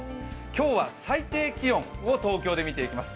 今日は最低気温を東京で見ていきます。